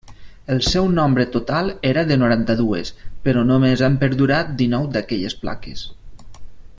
El seu nombre total era de noranta-dues, però només han perdurat dinou d'aquelles plaques.